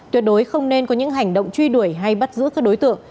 tuyệt đối không nên có những hành động truy đuổi hay bắt giữ các đối tượng